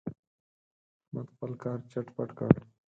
احمد خپل کار چټ پټ کړ.